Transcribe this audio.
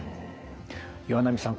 岩波さん